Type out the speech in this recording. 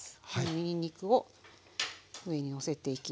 にんにくを上にのせていきます。